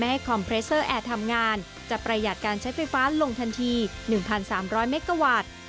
ให้คอมเพรสเซอร์แอร์ทำงานจะประหยัดการใช้ไฟฟ้าลงทันที๑๓๐๐เมกะวัตต์